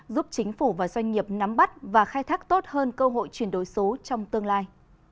giúp chính phủ và doanh nghiệp nắm bắt và khai thác tốt hơn cơ hội chuyển đổi số trong tương lai